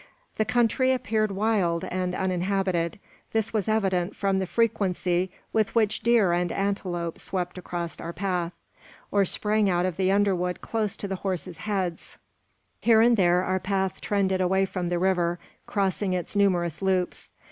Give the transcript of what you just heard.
The country appeared wild and uninhabited. This was evident from the frequency with which deer and antelope swept across our path, or sprang out of the underwood close to our horses' heads. Here and there our path trended away from the river, crossing its numerous loops.